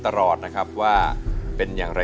ที่บอกที่บอกใจยังไง